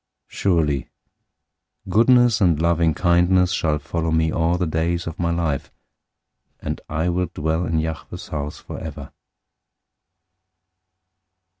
023:006 Surely goodness and loving kindness shall follow me all the days of my life, and I will dwell in Yahweh's house forever.